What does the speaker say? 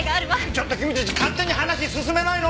ちょっと君たち勝手に話進めないの！